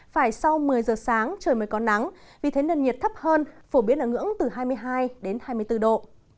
phải sau một mươi giờ sáng trời mới có nắng vì thế nền nhiệt thấp hơn phổ biến ở ngưỡng từ hai mươi hai đến hai mươi bốn độ